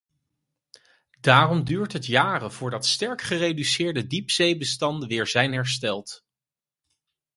Daarom duurt het jaren voordat sterk gereduceerde diepzeebestanden weer zijn hersteld.